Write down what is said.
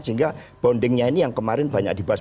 sehingga bondingnya ini yang kemarin banyak dibahas